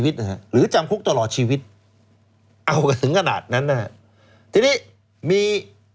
ทีนี้มี